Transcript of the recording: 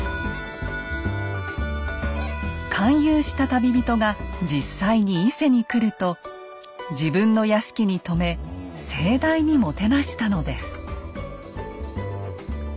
勧誘した旅人が実際に伊勢に来ると自分の屋敷に泊め盛大にもてなしたのです。